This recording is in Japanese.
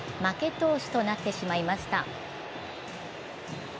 投手となってしまいました。